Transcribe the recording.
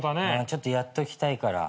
ちょっとやっときたいから。